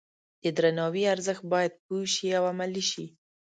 د درناوي ارزښت باید پوه شي او عملي شي.